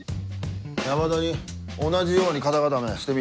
山田に同じように肩固めしてみ。